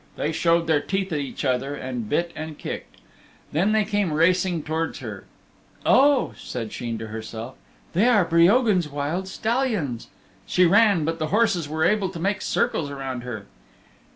They showed their teeth at each other and bit and kicked. Then they came racing towards her. "Oh," said Sheen to herself, "they are Breogan's wild stallions." She ran, but the horses were able to make circles round her.